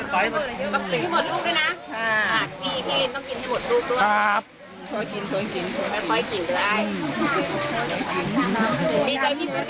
ลูกด้วยนะอ่ะสิพี่พี่ต้องกินหมดลูกด้วยครับกินกินกิน